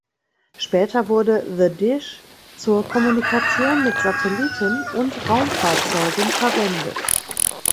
Später wurde "The Dish" zur Kommunikation mit Satelliten und Raumfahrzeugen verwendet.